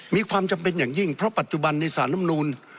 มีความจำเป็นอย่างยิ่งเพราะปัจจุบันในสารลำนูล